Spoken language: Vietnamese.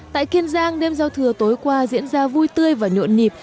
tại kiên giang đêm giao thừa tối qua diễn ra vui tươi và nhộn nhịp